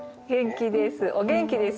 元気です。